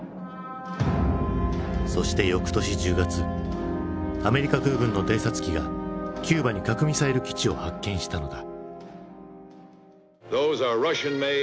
そしてよくとし１０月アメリカ空軍の偵察機がキューバに核ミサイル基地を発見したのだ。